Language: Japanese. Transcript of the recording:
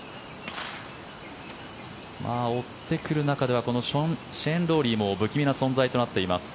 追ってくる中でこのシェーン・ロウリーも不気味な存在となっています。